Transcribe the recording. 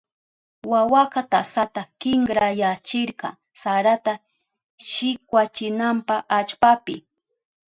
Wawaka tasata kinkrayachirka sarata shikwachinanpa allpapi.